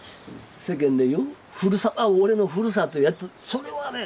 世間で言う俺のふるさとやとそれはね